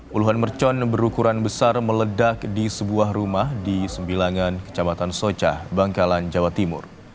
puluhan mercon berukuran besar meledak di sebuah rumah di sembilanan kecamatan socah bangkalan jawa timur